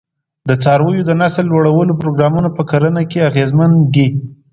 د څارویو د نسل لوړولو پروګرامونه په کرنه کې اغېزمن دي.